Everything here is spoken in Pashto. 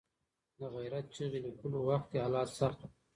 د غیرت چغې لیکلو وخت کې حالات سخت وو.